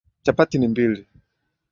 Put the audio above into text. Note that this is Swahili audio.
Chapati ni mbili.